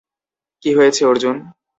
কী হয়েছে, অর্জুন?